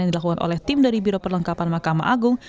yang dilakukan oleh tim dari biro perlengkapan mahkamah agung